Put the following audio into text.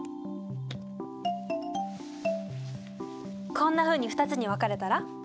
こんなふうに２つに分かれたら？